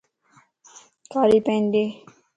ڪاري پين ڏي